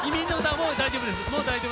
もう大丈夫ですよ。